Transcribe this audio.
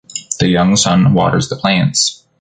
The young son waters the plants.